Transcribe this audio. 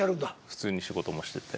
普通に仕事もしてて。